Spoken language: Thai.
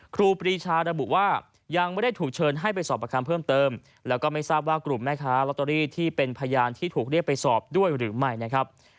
ครูปรีชาระบุว่ายังไม่ได้ถูกเชิญให้ไปสอบประคำเพิ่มเติมแล้วก็ไม่ทราบว่ากลุ่มแม่ค้าลอตเตอรี่ที่เป็นพยานที่ถูกเรียกไปสอบด้วยหรือไม่นะครับ